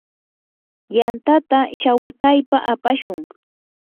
yantata shawataypa apashun.